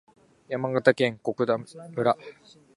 山梨県小菅村